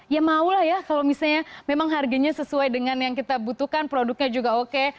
ya maulah ya kalau misalnya memang harganya sesuai dengan yang kita butuhkan produknya juga oke